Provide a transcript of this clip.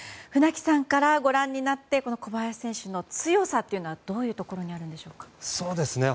船木さんからご覧になって小林選手の強さはどういうところにあるんでしょうか？